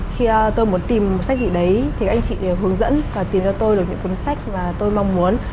khi tôi muốn tìm một sách gì đấy thì các anh chị đều hướng dẫn và tìm cho tôi được những cuốn sách mà tôi mong muốn